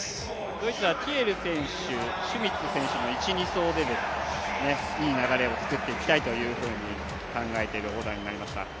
ドイツはティエル選手、シュミッツ選手の１・２走でいい流れをつくっていきたいと考えているオーダーになりました。